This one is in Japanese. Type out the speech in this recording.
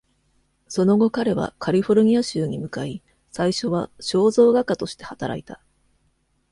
その後彼はカリフォルニア州に向かい、最初は肖像画家として働いた。